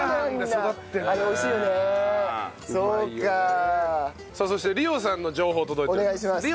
さあそして梨央さんの情報届いております。